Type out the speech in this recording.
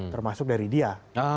termasuk dari dia